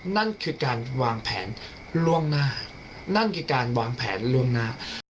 นั่นคือการวางแผนล่วงหน้านั่นคือการวางแผนล่วงหน้า